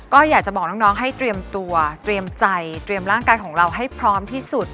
ก็อยากจะบอกน้องให้เตรียมตัวเตรียมใจเตรียมร่างกายของเราให้พร้อมที่สุด